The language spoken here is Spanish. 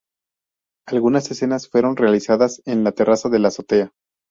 Algunas escenas fueron realizadas en la terraza de la azotea.